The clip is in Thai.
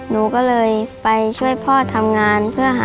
น้องเกิดมาพิการเป็นโรคปากแบ่งประดาษหนูค่ะรุนแรงค่ะ